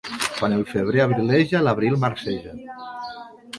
Quan el febrer abrileja, l'abril marceja.